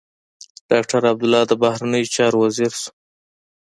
ډاکټر عبدالله د بهرنيو چارو وزیر شو.